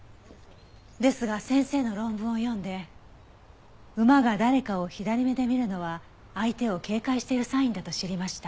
ですが先生の論文を読んで馬が誰かを左目で見るのは相手を警戒しているサインだと知りました。